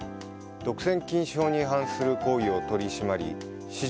独占禁止法に違反する行為を取り締まり。